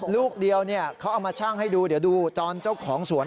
ลูกเดียวเขาเอามาชั่งให้ดูเดี๋ยวดูตอนเจ้าของสวน